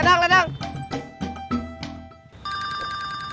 bapak bisa mencoba